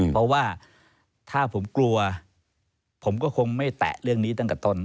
เพราะว่าถ้าผมกลัวผมก็คงไม่แตะเรื่องนี้ตั้งแต่ต้น